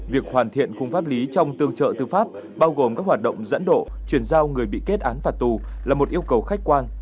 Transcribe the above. việc hoàn thiện khung pháp lý trong tương trợ tư pháp bao gồm các hoạt động dẫn độ chuyển giao người bị kết án phạt tù là một yêu cầu khách quan